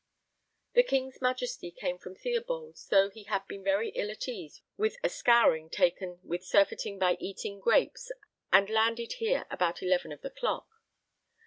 The King's Majesty came from Theobalds, though he had been very ill at ease with a scouring taken with surfeiting by eating grapes, and landed here about eleven of the clock.